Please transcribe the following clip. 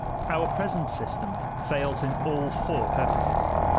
Our present system fails in all four purposes.